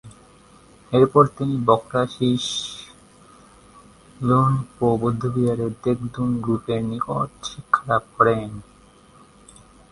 এরপর তিনি ব্ক্রা-শিস-ল্হুন-পো বৌদ্ধবিহারে দ্গে-'দুন-গ্রুবের নিকট শিক্ষালাভ করেন।